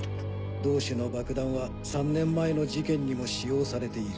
同種の爆弾は３年前の事件にも使用されている。